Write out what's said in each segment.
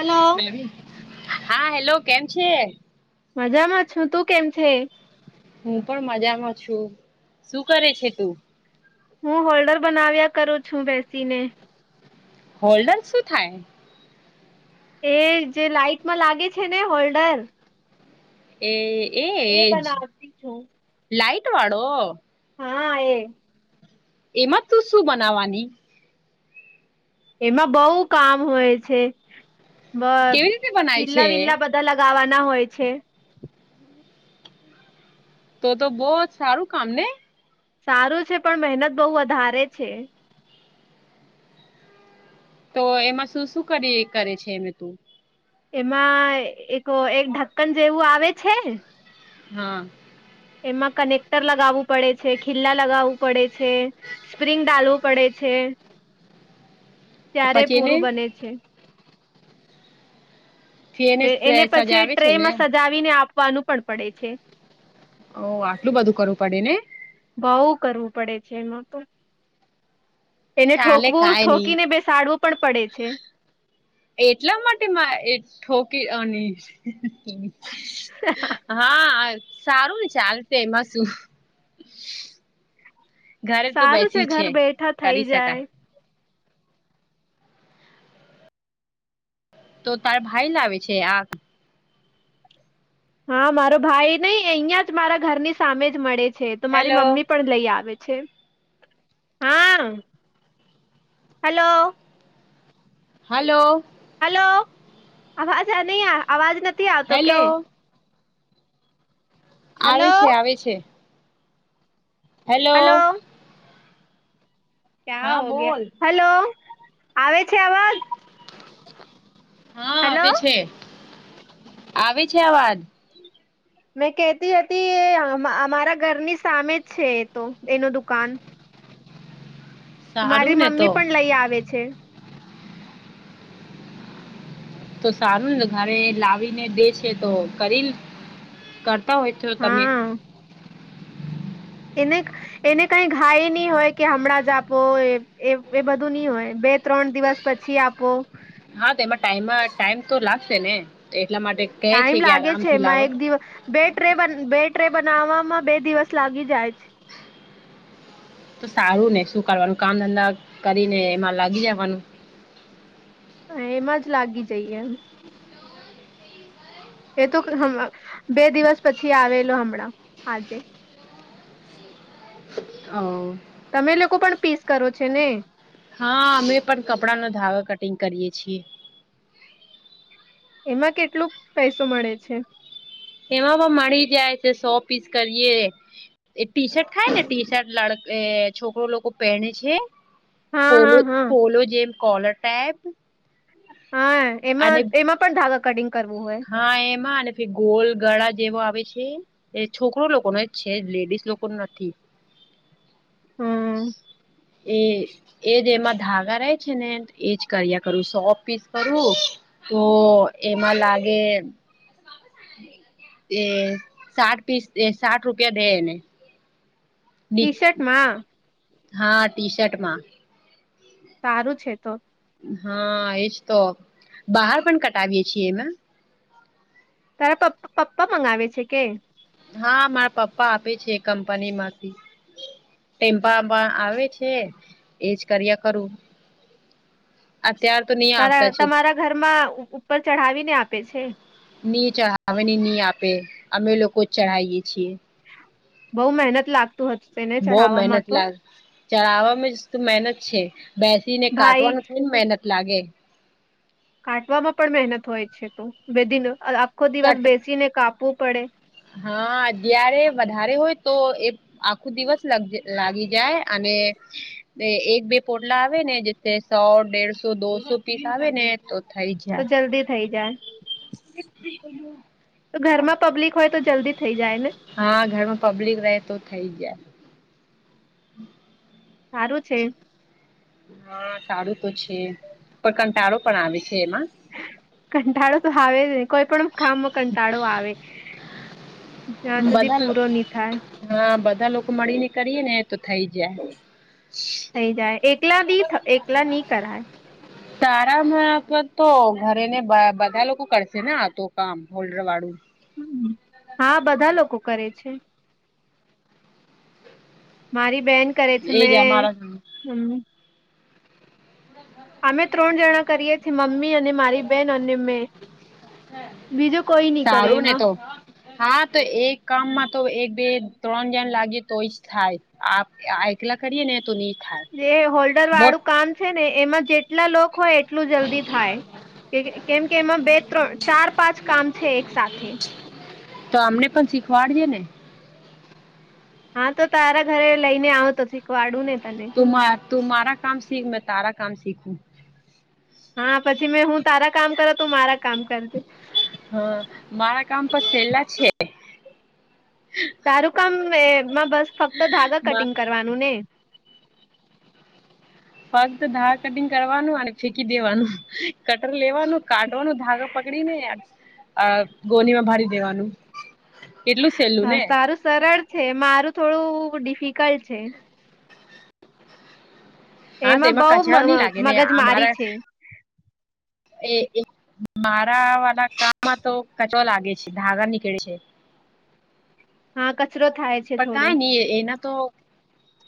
Hello હા hello કેમ છે? મજામાં છું, તું કેમ છે? હું પણ મજામાં છું. શું કરે છે તું? હું હોલ્ડર બનાવ્યા કરું છું, બેસીને હોલ્ડર શું થાય? એ જે લાાઈટમાં લાગે છે, ને હોલ્ડર એ એ એજ બનાવતી છું લાાઈટ વાળો. હા એ, એમાં તું શું બનાવાની? એમાં બઉુ કામ હોય છે, બ કેવી રીતે બનાય ખીલા છે વિલા બધા તે લગાવવાના હોય છે. તો તો બહ જ સારું કામ ને સારું છે, પણ મહેનત બહુ વધારે છે. તો એમાં શું શું કરી કરે છે એમે તું? એમાં એકો એક ઢક્કન જેવું આવે છે. હા એમાં કનેક્ટર લગાવવું પડે છે, ખિલ્લા લગાવવું પડે છે. સ્પ્રિંગ ડાલવું પડે છે, ત્યારે પછી એને પૂરું બને છે. ફી એ એને પછી સજાવે છે ને ટ્રેમાં સજાવીને આપવાનું પણ પડે છે. ઓ આટલું બધું કરવું પડે ને. બઉુ કરવું પડે છે એમાં તો એને ચાલે ઠોકવું કાઈ નઈ ઠોકીને બેસાડવું પણ પડે છે. એટલા માટે મા એ ઠોકી અની હા સારું ચાલશે એમાં શું ઘરે તો સારું છે બેસી ઘર બેઠા થઈ કરી શકાય જાય. તો તારા ભાઈ લાવે છે આ? હા મારો ભાઈ નહી, અહિયાં જ મારા ઘરની સામે જ મળે છે, તો મારી હેલો મમ્મી પણ લઈ આવે છે, હા, હેલો. હલો. હલો, અવાજ નહીઆ, અવાજ નથી આવતો કે? હેલો આવે હલો છે, આવે છે. Hello hello. ક્યાં હા હો ગયા, બોલ હેલો, આવે છે આવાજ? હા હલો આવે છે, આવે છે અવાજ. મેં કહેતી હતી, એ આમ અમારા ઘરની સામે જ છે એ તો, એનું દુકાન. સારું મારી ને તો મમ્મી પણ લઈ આવે છે. તો સારું ને ઘારે એ લાવીને દે છે તો કરી લન કરતા હોય તો તમે. હા એને એને કઈ ઘાઈ નહી હોય કે હમણાં જ આપો, એ એ બધું નહી હોય, બે ત્રણ દિવસ પછી આપ પો હા તો એમાં ટાઈમા ટાઈમ તો લાગશે ને એટલા માટે કહે છે ટાઈમ કે લાગે છે આરામથી એમાં લાવો એક દિવસ. બે ટ્રે બ, બે ટ્રે બનાવવામાં બે દિવસ લાગી જાય છે. તો સારું ને શું કરવાનું, કામ ધંધા કરીને એમાં લાગી જવાનું. એમાં જ લાગી જઈએ. એ તો હમ, બે દિવસ પછી આવેલો હમણાં, આજે. હા. તમે લોકો પણ પીસ કરો છે ને? હા અમે પણ કપડાનો ધાગો કટિંગ કરીએ છીએ. એમાં કેટલું પૈસો મળે છે? એવામા મળી જાય છે સો પીસ કરીએ એ ટીશર્ટ ખાયને, ટીશર્ટ લડએ, છોકરો લોકો પહેને છે. હા પોલો હા હા પોલો જેમ કોલર ટેબ હા એમાં એમાં પણ ધાગા કટિંગ કરવું હોય? હા એમાં અને ફિર ગોલ ગળા જેવો આવે છે. એ છોકરો લોકોને, છે જ લેડીસ લોકો નથી. હમ્મ એ એજ એમાં ધાગા રહેે છે ને એજ કર્યા કરવું સો પીસ કરું. તો એમાં લાગે એ સાઠ પીસ એ સાઠ રૂપિયા બે એને. ટી શર્ટમાં? હા ટી શર્ટમાં. તારું છે તો. હા એજ તો બહાર પણ કટાવીએ છીએ એમાં. તારા પપ પપ્પા મંગાવે છે કે? હા મારા પપ્પા આપે છે કંપનીમાંથી. ટેમ્પામાં આવે છે એજ કર્યા કરું. અત્યાર તો તાર આવતા છે તમારા ઘરમાં ઉપર ચઢાવી ને આપે છે? ની ચાવ ને ની આપે અમે લોકો જ ચઢાવીએ છીએ. બઉ મહેનત લાગતું હત તેને ચઢાવવામાં તો? ચડવામાં જ મહેનત છે બેસીને ભાઈ કાટવાનું થોડીને મહેનત લાગે. કાટવામાં પણ મહેનત હોય છે તો બે દ આખો દિવસ કટ બેસીને કાપવું પડે. હા અત્યારે વધારે હોય તો એ આખું દિવસ લાગી જાય અને એક બે પોટલા આવે ને જે સો દેડસો દોસો પીસ આવે ને તો થઈ તો જાય. જલ્દી થઈ જાય તો ઘરમાં પબ્લિક હોય તો જલ્દી થઈ જાય ને? હા ઘરમાં પબ્લિક રહે તો થઈ જાય. સારું છે. હા સારું તો છે પણ કંટાળો પણ આવે છે એમાં. કંટાળો તો આવે જ નહી કોઈ પણ કામમાં કંટાળો આવે. જ્યાં સુધી બધા પૂરો નહી થાય. હા બધા લોકો મળીને કરીએે ને તો થઈ જાય. થઈ જાય એકલા બી એકલા ની કરાય. [unintelligible] [inaudible] તારા મત તો ઘરે ને બધા લોકો કરશે ને આ તો કામ હોલ્ડર વાળું? હમ હા બધા લોકો કરે છે. મારી બેન કરે છે એજ મેં અમારા હમ અમે ત્રણ જણા કરીએ છીએ મમ્મી અને મારી બેન અને મેં, બીજું કોઈ નહી કરે સારું ને એમાં. તો હા તો એક કામમાં તો એક બે ત્રણ જણ લાગી તોય જ થાય. આપ એકલા કરીએ ને તો ની જે હોલ્ડર વાળું કામ છે ને એમાં જેટલા લોક હોય એટલું જલ્દી થાય. કે કેમ કે એમાં બે ત્રણ ચાર પાંચ કામ છે એક સાથે. તો અમને પણ શીખવાડજે ને. હા તો તારા ઘરે લઈને આવતો ક વાળું ને તને. તું મારા કામ સીખ મે તારા કામ સીખું. હા પછી મેં હું તારા કામ કરો તું મારા કામ કરજે હા મારા કામ પર સેલા છે. સારું કામ એમાં બસ ફક્ત ધાગા કટિંગ કરવાનું ને. ફક્ત ધાર કટિંગ કરવાનું અને ફેકી દેવાનું કટર લેવાનું કાઢવાનો ધાગો પકડીને ગોનીમાં ભરી દેવાનું એટલું હા સારું સરળ છે મારું થોડું ડિફિકલ્ટ છે. હા એમાં તેમાં બઉ કચરો નહી લાગે ને મગજ મારી અમારા છે. એ મારા વાળા કામમાં તો કચો લાગે છે ધાગા નીકળે છે. હા કચરો થાય છે પણ કઈ થોડું નહી એના તો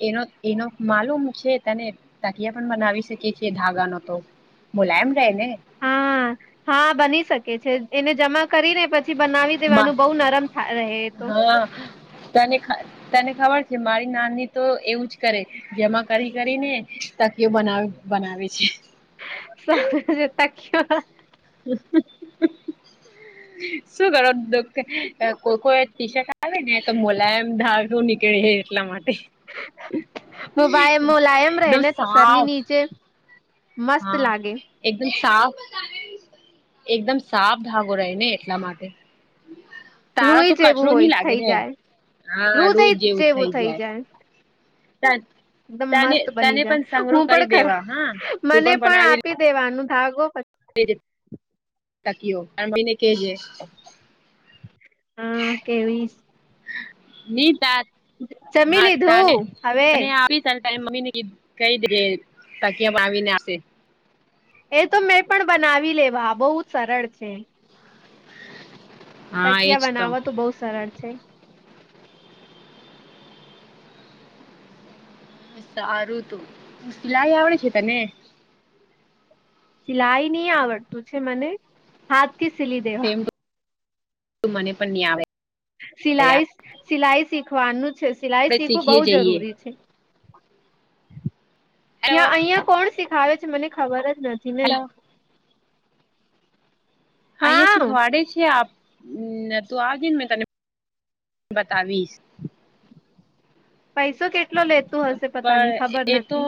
એનો એનો માલુમ છે તને તાકીયા પણ બનાવી શકી છીએ ધાગા નો તો મુલાયમ રહેે ને. હા હા બની શકે છે એને જમા કરી ને પછી પછી બનાવી દેવાનું બહુ નરમ થા રહે તો હ તને તને ખબર છે મારી નાની તો એવું જ કરે જમા કરી કરીને તકીઓ બનાવે બનાવે છે. સજ તાક્યો પ [inaudible] શું કરો? કોઈ કો ટી શર્ટ આવે ને તો મોલાયમ ધાગું નીકળે એટલા માટે. બ મુલાયમ રહે એકદમ ને સરની સાફ નીચે. મસ્ત હા લાગે એકદમ સાફ એકદમ સાફ ધાગો રહે ને એટલા માટે. તારા રૂય તો જેવું કચરો નહી હોય લાગે થઈ ને જાય રૂ થ જેવું થઈ જાય એકદમ તને મસ્ત તને બની પણ જાય સંગ્રહ હું કરી પણ ખર દેવા હા તું મને પણ આપી દેવાનું ધાગો પછી [inaudible] તકીઓ મમીને કેજે. હ કેવી? ની જમી હાને લીધું હવે [inaudible] ટાઈમ મમી ને કી કહી દીધ તકીયા આવીને આપશે. એ તો મેં પણ બનાવી લેવા બહુ જ સરળ છે. હા તકિયા એજ બનાવવા તો બહુ સરળ છે. સારું તું સિલાઈ આવડે છે તને? સિલાઈ નહી આવડતું છે મને, હાથ થી સીલી દેવા. તું મને પણ નહીં આવે. સિલાઈ સિલાઈ શીખવાનું છે સિલાઈ આપડે શીખવું શીખીએ બહ જઈએ જરૂરી છે. હેલો યા અહિયાં કોણ શીખાવે છે મને ખબર જ નથી ને? હેલો અહં હા શીખવાડે છે આપ તું આજને મે તને બતાવીશ. પૈસો કેટલો લેતો? પર એ તો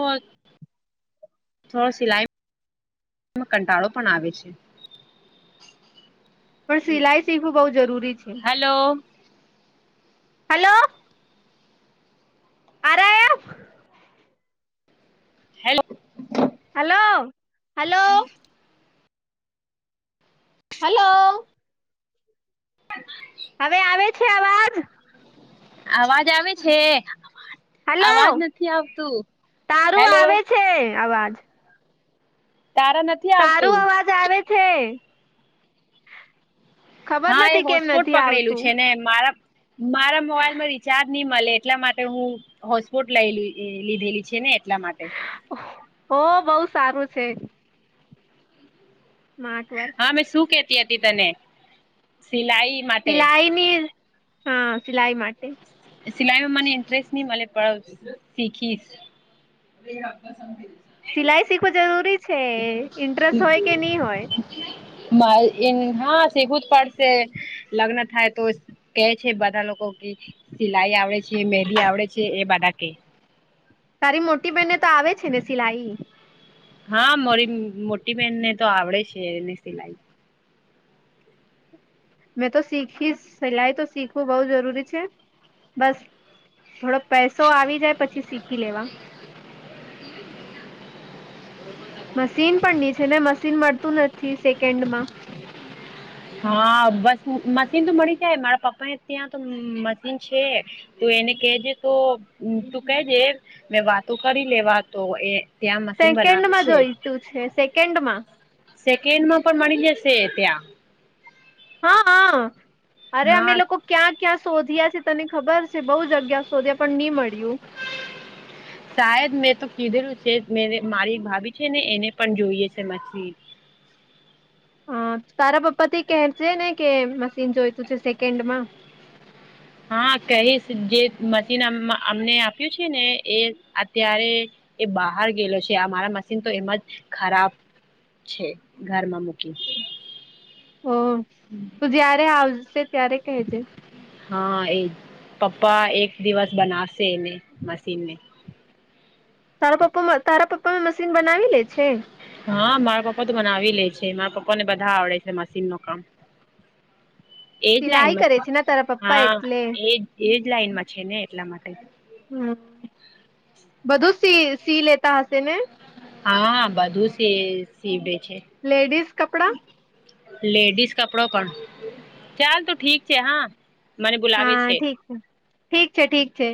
થોડો સિલાઈ કંટાળો પણ આવે છે. [unintelligible] પણ સિલાઈ શીખવું બઉ જરૂરી છે. હલો! હલો આ રાહા હે અબ? Hello hello hello! હલો! હ હવે આવે છે, આવાજ અવાજ આવે છે? હલો અવાજ નથી આવતું તારું હેલો! આવે છે આવાજ તારા નથી આવતું તારું અવાજ આવે છે. ખબર હા એ નથી કેમ હોટસ્પોટ નથી પકડેલું છે આવતું ને મારા મારા મોબાઈલમાં રિચાર્જ નહી મળે એટલા માટે હું હોટસ્પોટ લ લીધેલી છેને, એટલા માટે ઓ બહુ સારું છે. મામાર્ટ વર્ હા મે શું કેતી હતી તને સિલાઈ માટે સિલાઈ ની હા સિલાઈ માટે સિલાઈમાં મને ઇન્ટરેસ્ટ નહી મ પડ શીખીશ સિલાઈ શીખવો જરૂરી છે ઇન્ટરેસ્ટ હોય કે નઈ હોય. એ હા સીવું જ પડશે લગ્ન થાય તો કે છે, બધા લોકો કે સિલાઈ આવડે છે મેંદી આવડે છે એ બધા કે તારી મોટી બહેનને તો આવે છે, ને સિલાઈ હા મારી મોટી બેહેન ને તો આવડે છે એને સિલાઈ મેં તો શીખી સિલાઈ તો શીખવું બઉ જરૂરી છે, બસ થોડો પૈસો આવી જાય પછી શીખી લેવા હ મશીન પણ છે ને મશીન મળતું નથી સેકન્ડ મા હા બસ મશીન તો મળી જાય મારા પપ્પાને ત્યાં તો મશીન છે. ત એને કેજે તો તું કેજે મેં વાતો કરી લેવા તો એ ત્યાં મશીન સેકન્ડ બનાવે માં છે જોઈતું છે, સેકન્ડમાં સેકન્ડ માં પણ મળી જશે ત્યા હા હા અરે અમે હા લોકો ક્યાં ક્યાં શોધ્યા છે તને ખબર છે, બહુ જગ્યા શોધ્યા પણ નહી મળ્યું સાાયદ મેં તો કીધેલું છે મે મારી એક ભાભી છે ને એને પણ જોઈએ છે. મછલી હ તારા પપ્પા થી કેર છે ને કે મશીન જોઈતું છે, સેકન્ડ મા હા કહીશ જે મશીન અમને આપ્યું છે ને એ અત્યારે એ બહાર ગયેલો છેમારા મશીન તો એમાં જ ખરાબ છે, ઘરમાં મૂકી અ, તું જયારે આવશે ત્યારે કહેજે હા, એ પપ્પા એક દિવસ બનાશે એને મશીનને તારા પપ્પા તારા પપ્પા મશીન બનાવી લે છે. હા મારા પપ્પા તો મનાવી લે છે મારા પપ્પા ને બધા આવડે છે, મશીન ન કામ એજ સિલાઈ લાઈનમાં કરે છે ને તારા પપ્પા હા, એટલે એજ એજ લાઈનમાં છેને, એટલા માટે હમ, બધું સી સી લેતા હશે ને હા બધું સીવડે છે. લેડીિઝ કપડા લેડીઝ કપડો પણ ચાલ ત ઠીક છે હા મને બોલાવે છે. હા ઠીક છે ઠીક છે ઠીક છે.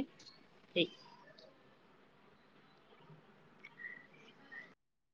ઠી